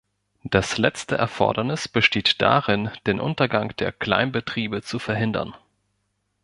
Das letzte Erfordernis besteht darin, den Untergang der Kleinbetriebe zu verhindern.